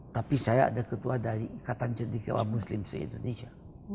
tapi saya ada ketua dari ikatan cendikiawan muslim se indonesia